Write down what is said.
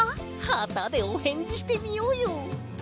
はたでおへんじしてみようよ！